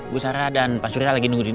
bu sarah dan pak suri lagi nunggu disini